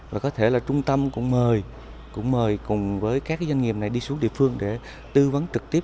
và có thể là trung tâm cũng mời cùng với các cái doanh nghiệp này đi xuống địa phương để tư vấn trực tiếp